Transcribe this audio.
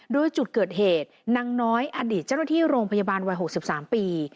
โดยจุดเกิดเหตุนางน้อยอดีตเจ้าหน้าที่โรงพยาบาลวัย๖๓ปี